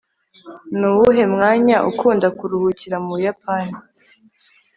nuwuhe mwanya ukunda kuruhukira mu buyapani